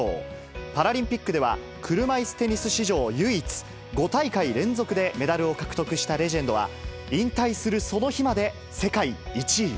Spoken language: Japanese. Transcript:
パラリンピックでは車いすテニス史上唯一、５大会連続でメダルを獲得したレジェンドは、引退するその日まで世界１位。